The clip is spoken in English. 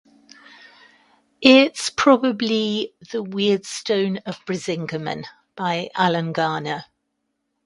It's probably The Weirdstone of Brisingamen by Alan Garner.